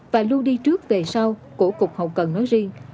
và luôn đi trước về sau của cục hậu cần nói riêng